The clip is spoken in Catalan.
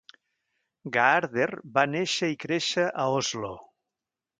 Gaarder va néixer i créixer a Oslo.